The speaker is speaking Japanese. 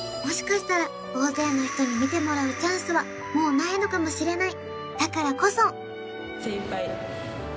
もしかしたら大勢の人にみてもらうチャンスはもうないのかもしれないだからこそ！